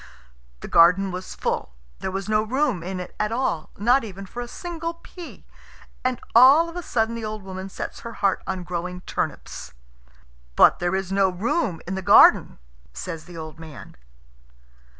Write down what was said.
The garden was full. There was no room in it at all, not even for a single pea. And all of a sudden the old woman sets her heart on growing turnips. "But there is no room in the garden," says the old man.